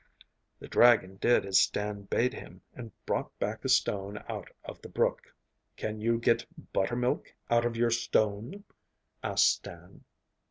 The dragon did as Stan bade him, and brought back a stone out of the brook. 'Can you get buttermilk out of your stone?' asked Stan.